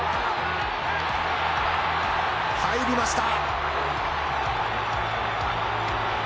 入りました。